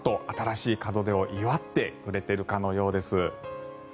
新しい門出を祝ってくれているかのようです。